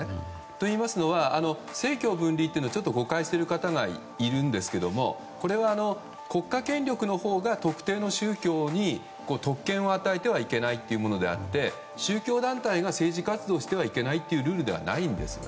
といいますのは、政教分離を誤解している方がいるんですがこれは国家権力のほうが特定の宗教に特権を与えてはいけないものであって宗教団体が政治活動してはいけないというルールではないんです。